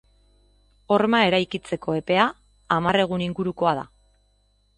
Horma eraikitzeko epea hamar egun ingurukoa da.